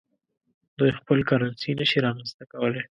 دوی خپل کرنسي نشي رامنځته کولای.